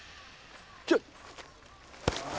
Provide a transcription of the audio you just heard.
ちょっえ